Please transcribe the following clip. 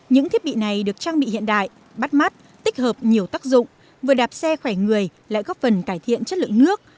những thiết bị này được trang bị hiện đại bắt mắt tích hợp nhiều tác dụng vừa đạp xe khỏe người lại góp phần cải thiện chất lượng nước